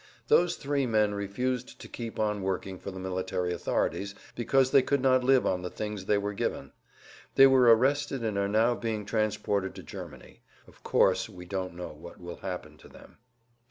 Those three men refused to keep on working for the military authorities, because they could not live on the things they were given. They were arrested and are now being transported to Germany. Of course, we don't know what will happen to them."